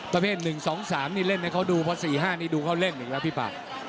ประเภท๑๒๓นี่เล่นให้เขาดูเพราะ๔๕นี่ดูเขาเล่นอีกแล้วพี่ปาก